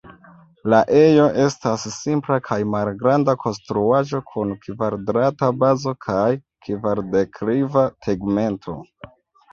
La ejo estas simpla kaj malgranda konstruaĵo kun kvadrata bazo kaj kvar-dekliva tegmento.